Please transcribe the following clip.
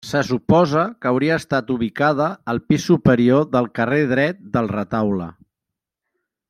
Se suposa que hauria estat ubicada al pis superior del carrer dret del retaule.